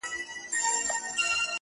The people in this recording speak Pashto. راسه چي الهام مي د زړه ور مات كـړ.